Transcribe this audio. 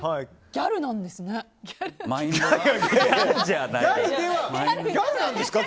ギャルなんですか？